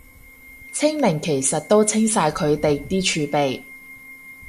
清零其實都清晒佢哋啲儲備